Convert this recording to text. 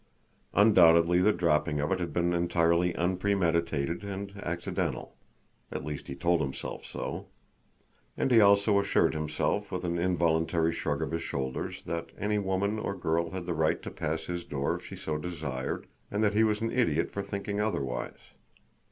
Undoubtedly the dropping of it had been entirely unpremeditated and accidental. At least he told himself so. And he also assured himself, with an involuntary shrug of his shoulders, that any woman or girl had the right to pass his door if she so desired, and that he was an idiot for thinking otherwise.